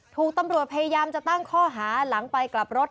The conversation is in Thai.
ถูกตำรวจพยายามจะตั้งข้อหาหลังไปกลับรถ